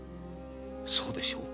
そうでしょう？